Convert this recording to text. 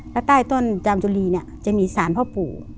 แล้วใต้ต้นจามจุรีเนี่ยจะมีสารพ่อปู่